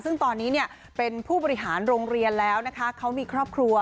ซึ่งตอนนี้เนี่ยเป็นผู้บริหารโรงเรียนแล้วนะคะเขามีครอบครัว